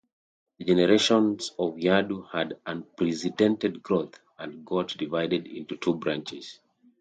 The generations of Yadu had unprecedented growth and got divided into two branches.